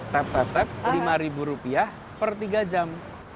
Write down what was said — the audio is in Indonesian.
tap tap tap rp lima per tiga jam